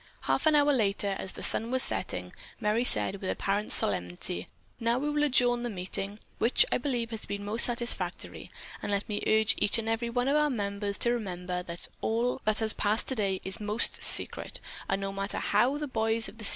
Half an hour later, as the sun was setting, Merry said with apparent solemnity, "We will now adjourn the meeting, which I believe has been most satisfactory, and let me urge each and every one of our members to remember that all that has passed today is most secret and that no matter how the boys of the 'C.